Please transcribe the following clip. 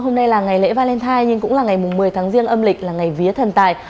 hôm nay là ngày lễ valentine nhưng cũng là ngày một mươi tháng riêng âm lịch là ngày vía thần tài